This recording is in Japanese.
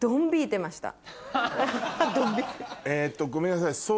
えっとごめんなさい。